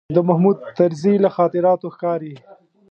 د محمود طرزي له خاطراتو ښکاري.